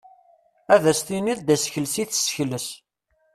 Ad as-tiniḍ d asekles i tessekles.